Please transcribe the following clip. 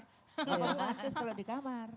romantis kalau di kamar